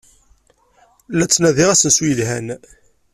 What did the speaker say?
La ttnadiɣ asensu yelhan.